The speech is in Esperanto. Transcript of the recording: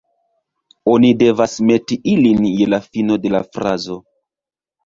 Oni devas meti ilin je la fino de la frazo